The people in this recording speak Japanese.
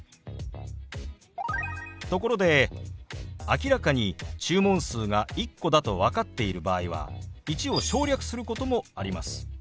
ところで明らかに注文数が１個だと分かっている場合は「１」を省略することもあります。